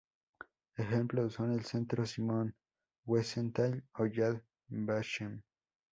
Ejemplos son el Centro Simon Wiesenthal o Yad Vashem.